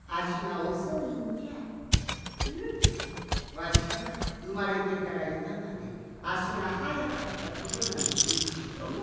わしはうまれてからいままであしがはやかったことなんていちどもなかった。